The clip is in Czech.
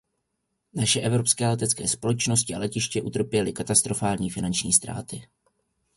Naše evropské letecké společnosti a letiště utrpěly katastrofální finanční ztráty.